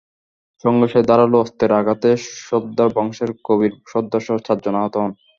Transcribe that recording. সংঘর্ষে ধারালো অস্ত্রের আঘাতে সর্দার বংশের কবির সর্দারসহ চারজন আহত হন।